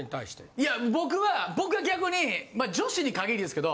いや僕は僕は逆に女子に限りですけど。